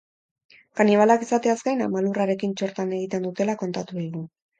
Kanibalak izateaz gain, ama lurrarekin txortan egiten dutela kontatu digu.